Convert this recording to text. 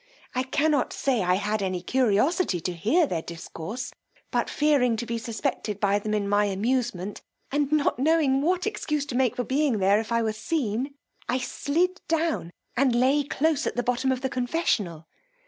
I cannot say I had any curiosity to hear their discourse; but fearing to be suspected by them in my amusement, and not knowing what excuse to make for being there, if I were seen, I slid down, and lay close at the bottom of the confessional.